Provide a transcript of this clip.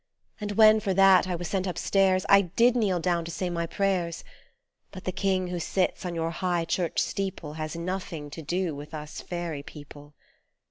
And when, for that, I was sent upstairs I did kneel down to say my prayers ; But the King who sits on your high church steeple Has nothing to do with us fairy people